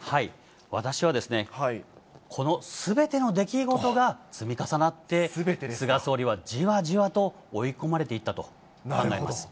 私は、このすべての出来事が積み重なって、菅総理は、じわじわと追い込まれていったと考えます。